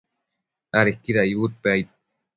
adequida icbudpec aid